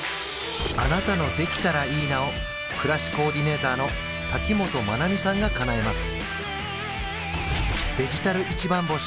あなたの「できたらいいな」を暮らしコーディネーターの瀧本真奈美さんがかなえます